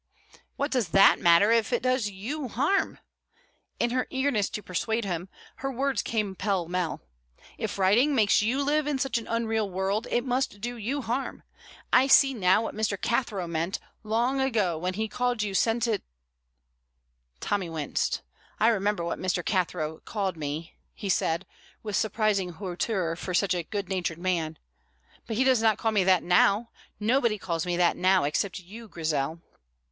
"What does that matter, if it does you harm?" In her eagerness to persuade him, her words came pell mell. "If writing makes you live in such an unreal world, it must do you harm. I see now what Mr. Cathro meant, long ago, when he called you Senti " Tommy winced. "I remember what Mr. Cathro called me," he said, with surprising hauteur for such a good natured man. "But he does not call me that now. No one calls me that now, except you, Grizel."